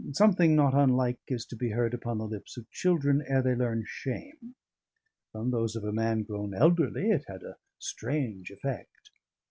Something not unlike is to be heard upon the lips of children, ere they learn shame; from those of a man grown elderly it had a strange effect.